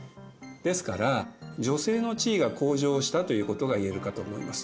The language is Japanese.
ですから女性の地位が向上したということがいえるかと思います。